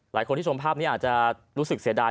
หลายคนที่ชมภาพนี้อาจจะรู้สึกเสียดาย